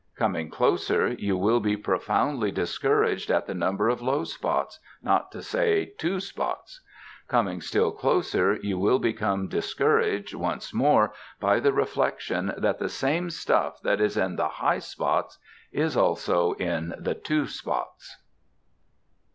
Coming closer, you will be profoundly discouraged at the number of low spots, not to say two spots. Coming still closer, you will become discouraged once more by the reflection that the same stuff that is in the high spots is also in the two spots.